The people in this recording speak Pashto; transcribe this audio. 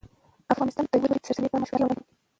افغانستان د ژورې سرچینې په اړه مشهور تاریخی روایتونه لري.